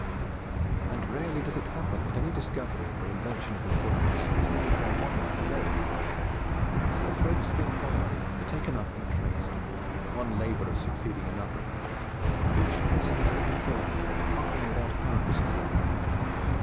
And rarely does it happen that any discovery or invention of importance is made by one man alone. The threads of inquiry are taken up and traced, one labourer succeeding another, each tracing it a little further, often without apparent result.